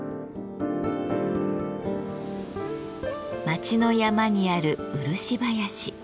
町の山にある漆林。